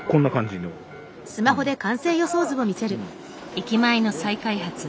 駅前の再開発。